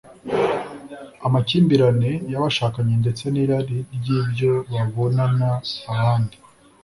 amakimbirane y’abashakanye ndetse n’irari ry’ibyo babonana abandi